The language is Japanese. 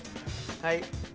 はい。